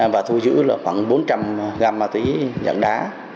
và thu giữ là khoảng bốn trăm linh gram ma túy dạng đá